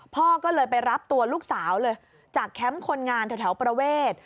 พ่อก็เลยไปรับตัวลูกสาวเลยจากแคมป์คนงานแถวประเวท